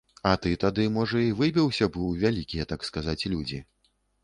А ты тады, можа, і выбіўся б у вялікія, так сказаць, людзі.